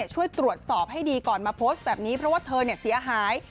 ช่วยตรวจสอบให้ดีก่อนมาโพสต์แบบนี้เพราะว่าเธอเสียหาย